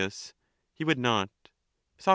He would not. Soc.